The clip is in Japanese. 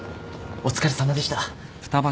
お疲れさまでした。